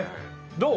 どう？